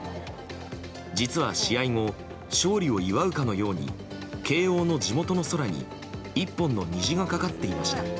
実は試合後勝利を祝うかのように慶應の地元の空に１本の虹がかかっていました。